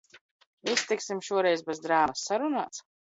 Iztiksim šoreiz bez drāmas, sarunāts?